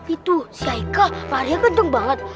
itu si aika larinya gendeng banget